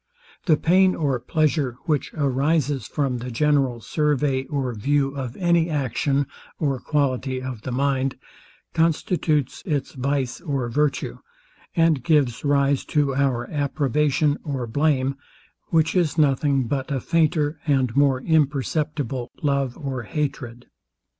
The pain or pleasure, which arises from the general survey or view of any action or quality of the mind, constitutes its vice or virtue, and gives rise to our approbation or blame, which is nothing but a fainter and more imperceptible love or hatred.